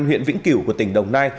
huyện vĩnh cửu của tỉnh đồng nai